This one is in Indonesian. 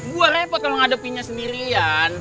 gue repot kalo ngadepinnya sendirian